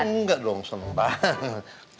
enggak dong seneng banget